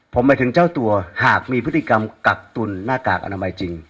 ผมหมายถึงเจ้าตัวหากมีพฤติกรรมกักตุนหน้ากากอนามัยจริง